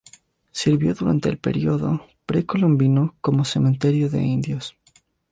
Sirvió durante el período pre-colombino como cementerio de indios.